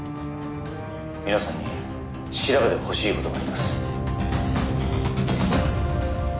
「皆さんに調べてほしい事があります」